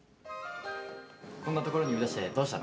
こんな所に呼び出してどうしたの？